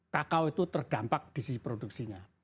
cacao itu terdampak di produksinya